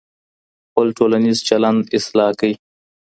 خپل ټولنیز چلند اصلاح کړئ.